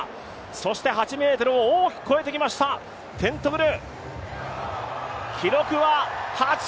そして８ｍを大きく超えてきましたテントグル。